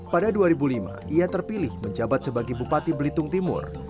pada dua ribu lima ia terpilih menjabat sebagai bupati belitung timur